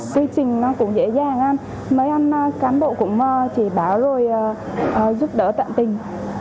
quy trình cũng dễ dàng mấy anh cán bộ cũng chỉ báo rồi giúp đỡ tận tình